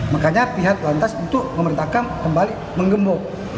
makanya pihak lantas untuk memerintahkan kembali menggembok